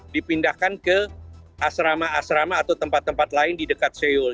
dipindahkan ke asrama asrama atau tempat tempat lain di dekat seyul